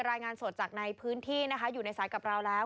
รายงานสดจากในพื้นที่นะคะอยู่ในสายกับเราแล้ว